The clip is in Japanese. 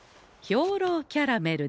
兵糧キャラメル？